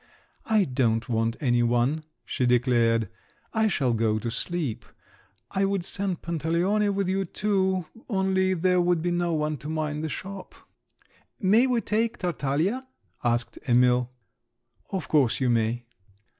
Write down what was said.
"I don't want any one," she declared; "I shall go to sleep. I would send Pantaleone with you too, only there would be no one to mind the shop." "May we take Tartaglia?" asked Emil. "Of course you may."